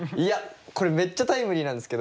これめっちゃタイムリーなんですけど。